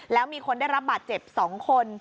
แล้วมีคนได้รับบาดเจ็บ๒คน